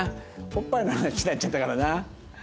おっぱいの話になっちゃったからな。